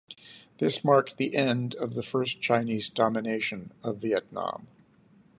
This marked the end of the first Chinese domination of Vietnam.